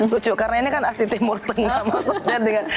lucu karena ini kan aksi timur tengah maksudnya